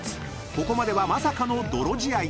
ここまではまさかの泥仕合］